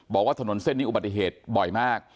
บอกว่าถนนเส้นนี้อุบัติเหตุบ่อยมาก